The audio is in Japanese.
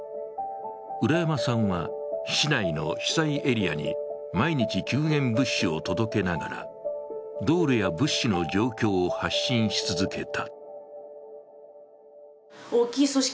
浦山さんは、市内の被災エリアに毎日救援物資を届けながら道路や物資の状況を発信し続けた。